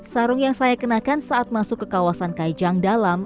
sarung yang saya kenakan saat masuk ke kawasan kaijang dalam